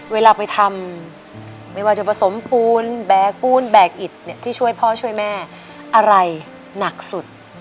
เวลาไปทำไม่ว่าจะผสมปูนแบกปูนแบกอิดที่ช่วยพ่อช่วยแม่อะไรหนักสุด